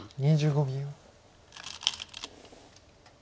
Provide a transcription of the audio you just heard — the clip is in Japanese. ２５秒。